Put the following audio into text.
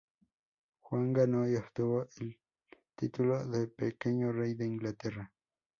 Juan ganó y obtuvo el título de`pequeño rey de Inglaterra´.